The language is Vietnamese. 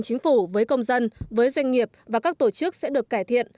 chính phủ với công dân với doanh nghiệp và các tổ chức sẽ được cải thiện